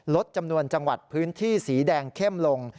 ลดจำนวนจังหวัดพื้นที่สีแดงเข้มลง